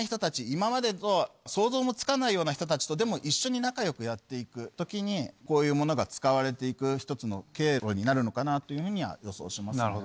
今までとは想像もつかないような人たちとでも一緒に仲良くやって行く時にこういうものが使われて行くひとつの経路になるのかなというふうには予想しますね。